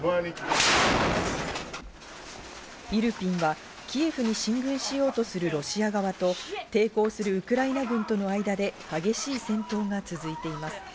イルピンはキエフに進軍しようとするロシア側と抵抗するウクライナ軍との間で激しい戦闘が続いています。